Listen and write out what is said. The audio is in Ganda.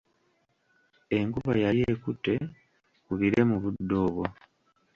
Enkuba yali ekute ku bire mu budde obwo.